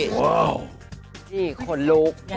นี่ขนลุก